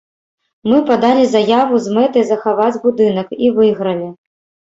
Мы падалі заяву з мэтай захаваць будынак, і выйгралі.